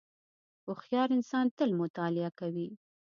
• هوښیار انسان تل مطالعه کوي.